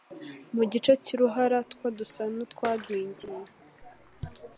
mu gice cy'uruhara two dusa n'utwagwingiye,